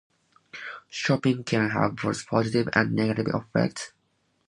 Shopping can have both positive and negative effects.